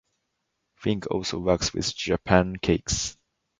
Fink also works with Japancakes.